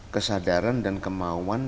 kesadaran dan kemauan